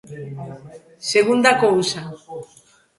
Segunda cousa.